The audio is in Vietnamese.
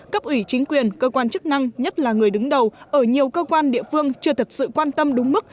cấp ủy chính quyền cơ quan chức năng nhất là người đứng đầu ở nhiều cơ quan địa phương chưa thật sự quan tâm đúng mức